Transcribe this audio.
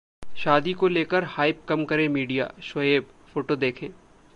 शादी को लेकर हाइप कम करे मीडिया: शोएब । फोटो देखें